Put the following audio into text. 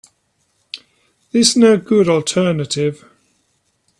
This no good alternative.